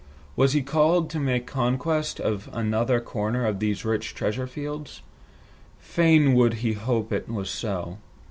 Was he called to make conquest of another corner of these rich treasure fields? Fain would he hope it was so.